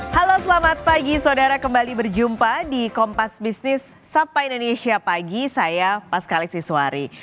halo selamat pagi saudara kembali berjumpa di kompas bisnis sapa indonesia pagi saya pas kali siswari